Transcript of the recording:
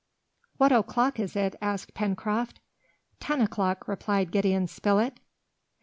"What o'clock is it?" asked Pencroft. "Ten o'clock," replied Gideon Spilett.